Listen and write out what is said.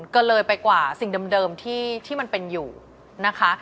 ก็เลยไปกว่าสิ่งเดิมที่มันเป็นอยู่นะคะ